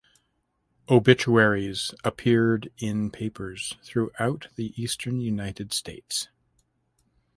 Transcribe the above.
Obituaries appeared in papers throughout the eastern United States.